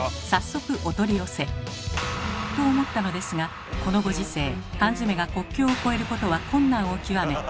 早速お取り寄せ。と思ったのですがこのご時世缶詰が国境を越えることは困難を極め